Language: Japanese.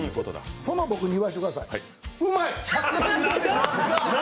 その僕に言わせてくださいうまい！